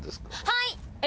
はい！